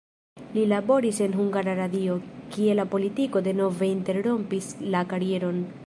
Li laboris en Hungara Radio, kie la politiko denove interrompis la karieron.